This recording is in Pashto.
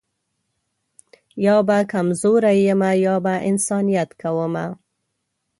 یا به کمزوری یمه یا به انسانیت کومه